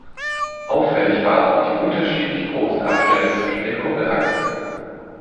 Auffällig waren auch die unterschiedlich großen Abstände zwischen den Kuppelachsen.